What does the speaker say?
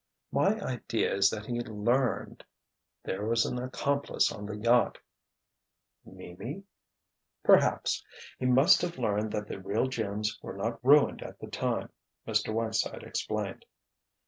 "My idea is that he learned—there was an accomplice on the yacht——" "Mimi?" "Perhaps! He must have learned that the real gems were not ruined at all," Mr. Whiteside explained.